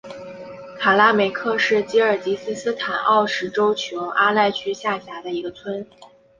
卡拉梅克是吉尔吉斯斯坦奥什州琼阿赖区下辖的一个村。